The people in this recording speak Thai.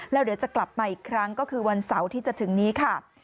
แล้วเดี๋ยวจะกลับมาอีกครั้งก็คือวันเสาร์ที่จะถึงนี้ค่ะ